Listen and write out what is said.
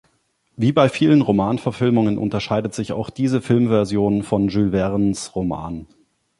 Wie bei vielen Romanverfilmungen unterscheidet sich auch diese Filmversion von Jules Vernes Roman.